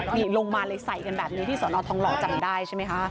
เฮ่ยลงมาใส่กันแบบนี้ที่สนอทท้องเหลอจำไม่ได้ใช่ไหมครับ